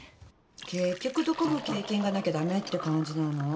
結局どこも経験がなきゃ駄目って感じなの。